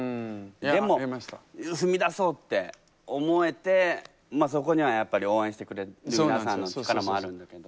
でも踏み出そうって思えてそこにはやっぱり応援してくれる皆さんの力もあるんだけど。